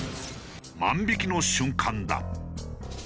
万引きの瞬間だ。